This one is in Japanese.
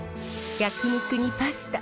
焼き肉にパスタ